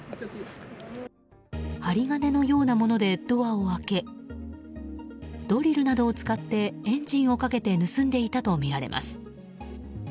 針金のようなものでドアを開けドリルなどを使ってエンジンをかけて盗んでいたとみられます。